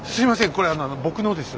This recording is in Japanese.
これ僕のです。